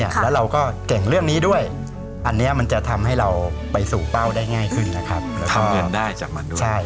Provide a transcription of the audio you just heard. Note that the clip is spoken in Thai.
ทำเงินได้จากมันด้วย